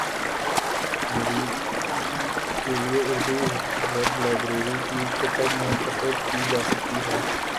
مزید کے لیے اردو ویب لائبریری کی کتب منتخب کی جا سکتی ہیں